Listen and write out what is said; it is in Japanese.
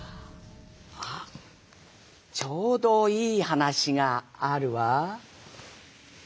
あっちょうどいい話があるわ。